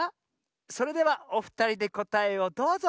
それではおふたりでこたえをどうぞ。